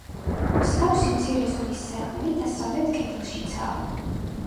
მსგავსი მცირე ზომის სარკმელი დასავლეთ კედელშიცაა.